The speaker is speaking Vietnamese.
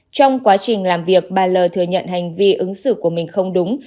trong quá trình làm việc bà l thừa nhận hành vi ứng xử của mình không đúng